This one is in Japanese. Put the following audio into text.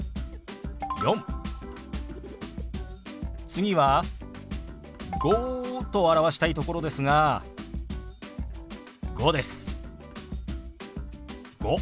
次は「５」と表したいところですが「５」です。